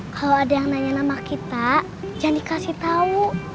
kalau ada yang nanya nama kita jangan dikasih tahu